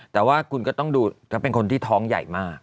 แต่ว่าคุณก็ต้องดูถ้าเป็นคนที่ท้องใหญ่มาก